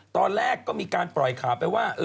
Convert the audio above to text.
ตอนแรกก็มีการปล่อยข่าวไปว่า